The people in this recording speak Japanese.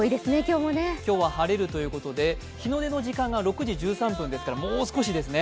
今日は晴れるということで日の出の時間が６時１３分ですから、もう少しですね。